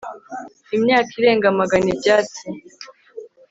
imyaka irenga magana ibyatsi